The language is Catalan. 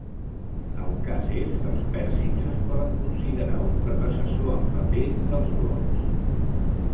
El cas és que els perzins es poden considerar un predecessor en paper dels blogs.